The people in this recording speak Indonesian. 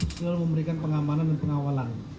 selalu memberikan pengamanan dan pengawalan